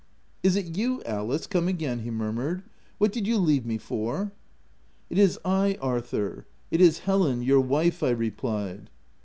" Is it you, Alice, come again ?" he mur mured. " What did you leave me for?" '* It is I, Arthur — it is Helen, your wife/ 1 I replied.